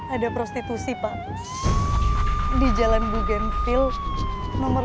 ada prostitusi pak di jalan bugenville nomor lima puluh tujuh